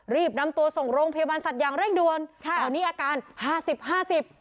รีบนำตัวส่งโรงพยาบาลสัตว์อย่างเร่งด่วนค่ะแถวนี้อาการห้าสิบห้าสิบ